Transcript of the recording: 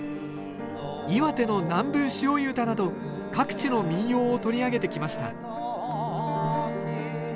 岩手の「南部牛追唄」など各地の民謡を取り上げてきました